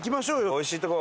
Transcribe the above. おいしいとこ。